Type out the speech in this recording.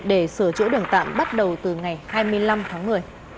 để sửa chữa đường tạm bắt đầu từ ngày hai mươi năm tháng một mươi